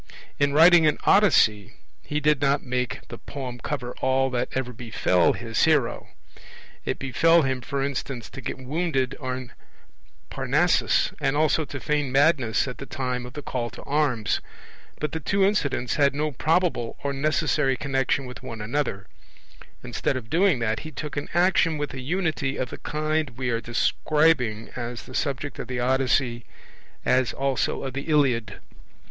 In writing an Odyssey, he did not make the poem cover all that ever befell his hero it befell him, for instance, to get wounded on Parnassus and also to feign madness at the time of the call to arms, but the two incidents had no probable or necessary connexion with one another instead of doing that, he took an action with a Unity of the kind we are describing as the subject of the Odyssey, as also of the Iliad.